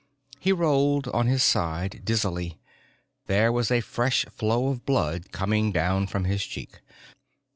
He rolled on his side dizzily. There was a fresh flow of blood coming down from his cheek.